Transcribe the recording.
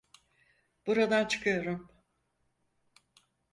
Buradan çıkıyorum.